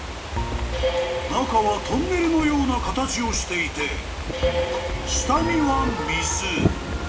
［中はトンネルのような形をしていて下には水］